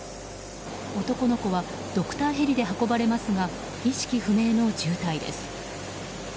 男の子はドクターヘリで運ばれますが意識不明の重体です。